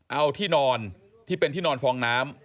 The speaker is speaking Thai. เอาที่นอนที่เป็นที่นอนฟองน้ำ